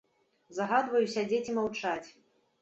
Загадваю сядзець і маўчаць.